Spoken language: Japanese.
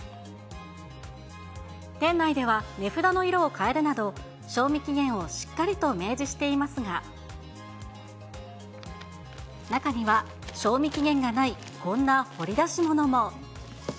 店内では値札の色を変えるなど、賞味期限をしっかりと明示していますが、中には賞味期限がないこんな掘り出し物も。